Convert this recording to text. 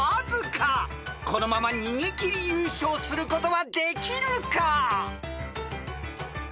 ［このまま逃げ切り優勝することはできるか？］